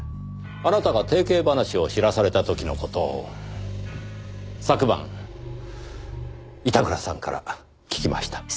あなたが提携話を知らされた時の事を昨晩板倉さんから聞きました。